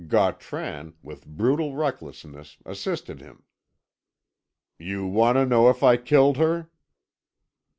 Gautran, with brutal recklessness, assisted him. "You want to know if I killed her?"